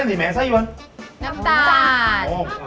น้ำตาล